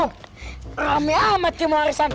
ber damit banget semua warisan